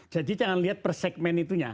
jadi jangan lihat per segmen itunya